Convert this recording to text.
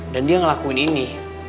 dan dia ngelakuin ini